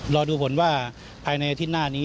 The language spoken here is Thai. รอดูผลว่าภายในอาทิตย์หน้านี้